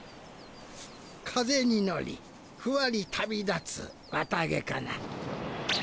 「風に乗りふわり旅立つわた毛かな」。